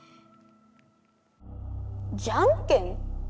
じゃんけん？